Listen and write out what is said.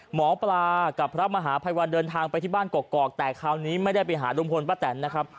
หมอปลากับพระมหาภัยวันเดินทางไปที่บ้านกอกแต่คราวนี้ไม่ได้ไปหาลุงพลป้าแตนนะครับ